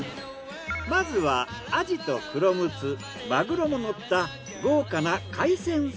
まずはアジとクロムツマグロものった豪華な海鮮サラダから。